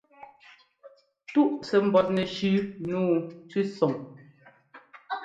Túꞌ sɛ́ ḿbɔ́tnɛ shʉ́ nǔu tʉ́sɔŋ.